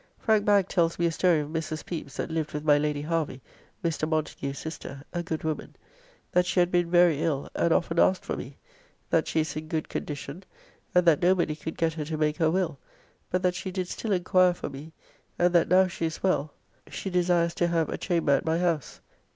Frank Bagge tells me a story of Mrs. Pepys that lived with my Lady Harvy, Mr. Montagu's sister, a good woman; that she had been very ill, and often asked for me; that she is in good condition, and that nobody could get her to make her will; but that she did still enquire for me, and that now she is well she desires to have a chamber at my house.